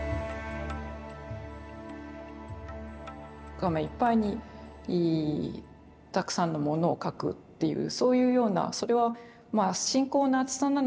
画面いっぱいにたくさんのものを描くっていうそういうようなそれは信仰のあつさなのか